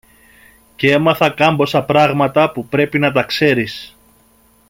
Κι έμαθα κάμποσα πράγματα που πρέπει να τα ξέρεις.